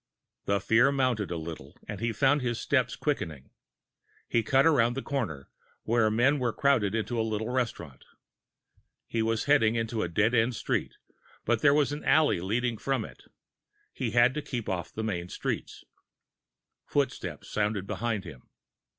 The fear mounted a little, and he found his steps quickening. He cut around the corner, where men were crowded into a little restaurant. He was heading into a dead end street, but there was an alley leading from it. He had to keep off the main streets. Footsteps sounded behind him.